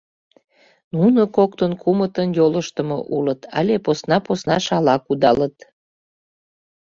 Нуно коктын-кумытын йолыштымо улыт але посна-посна шала кудалыт.